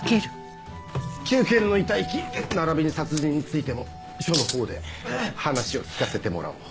９件の遺体遺棄ならびに殺人についても署のほうで話を聞かせてもらおう。